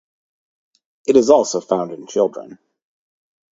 It is also found in children.